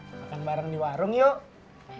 makan bareng di warung yuk